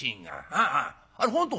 「ああああ。あれ本当？」。